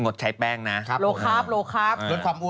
งดใช้แป้งนะโลคลิครัฟ